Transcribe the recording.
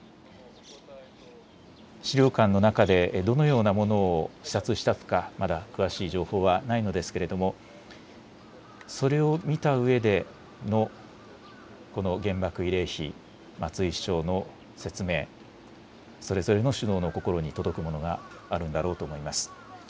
資料館の中でどのようなものを視察したとか、まだ詳しい情報はないのですけれどもそれを見たうえでのこの原爆慰霊碑、松井市長の説明、それぞれの首脳の心に届くものがあるんだろうと思います。